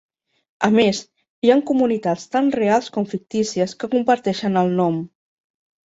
A més, hi han comunitats tant reals com fictícies que comparteixen el nom.